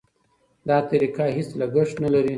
دا طریقه هېڅ لګښت نه لري.